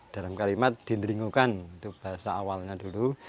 dalam kalimat ndlingo kan itu bahasa awalnya dulu